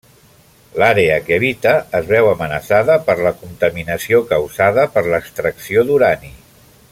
L'àrea que habita es veu amenaçada per la contaminació causada per l'extracció d'urani.